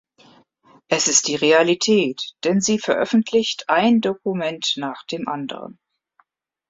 Es ist die Realität, denn sie veröffentlicht ein Dokument nach dem anderen.